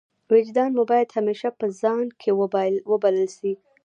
وجدان مو باید همېشه په ځان کښي وبلل سي.